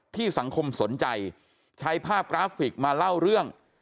สังคมสนใจใช้ภาพกราฟิกมาเล่าเรื่อง